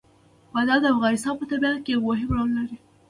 بادام د افغانستان په طبیعت کې یو مهم رول لري.